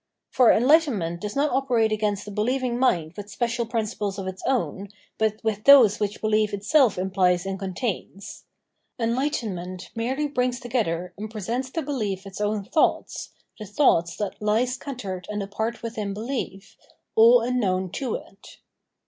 For enhghtenment does not operate against the beheving mind with special principles of its own, but with those which behef itself imphes and contains. ISnhghtenment merely brings together and presents to behef its own thoughts, the thoughts that he scattered an^d:«.rt within behef, all unknown to it.